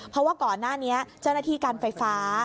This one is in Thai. เพราะว่าก่อนหน้านี้เจ้าหน้าที่การไฟฟ้า